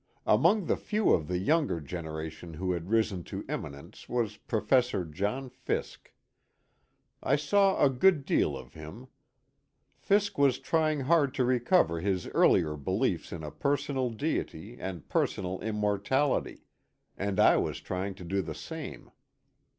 Among the few of the younger generation who had risen to eminence was Professor John Fiske. I saw a good deal of him. Fiske was trying hard to recover his earlier beliefs in a personal deity and personalimmortallty, and I was try ing to do the same.